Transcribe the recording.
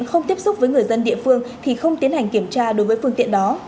không tiếp xúc với người dân địa phương thì không tiến hành kiểm tra đối với phương tiện đó